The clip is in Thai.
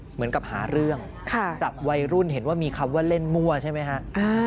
เหมือนกับหาเรื่องจับวัยรุ่นเห็นว่ามีคำว่าเล่นมั่วใช่ไหมฮะ